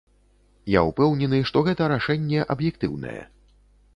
Я ўпэўнены, што гэта рашэнне аб'ектыўнае.